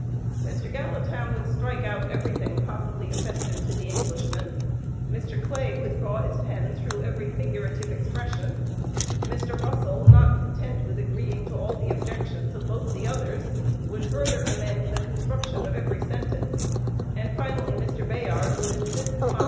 Mr. Gallatin would strike out everything possibly offensive to the Englishmen; Mr. Clay would draw his pen through every figurative expression; Mr. Russell, not content with agreeing to all the objections of both the others, would further amend the construction of every sentence; and finally Mr. Bayard would insist upon (p.